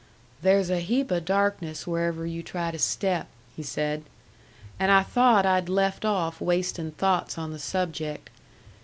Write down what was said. "There's a heap o' darkness wherever you try to step," he said, "and I thought I'd left off wasting thoughts on the subject.